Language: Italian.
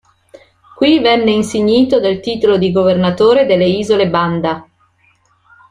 Qui venne insignito del titolo di Governatore delle isole Banda.